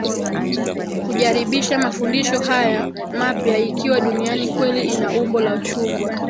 kujaribisha mafundisho haya mapya Ikiwa dunia kweli ina umbo la chungwa